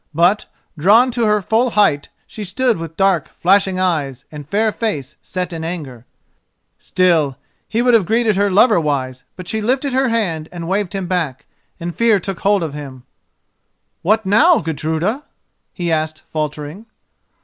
But, drawn to her full height, she stood with dark flashing eyes and fair face set in anger. Still, he would have greeted her loverwise; but she lifted her hand and waved him back, and fear took hold of him. "What now, Gudruda?" he asked, faltering.